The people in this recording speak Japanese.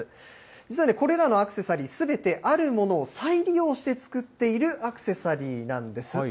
実はこれらのアクセサリー、すべてあるものを再利用して作っているアクセサリーなんです。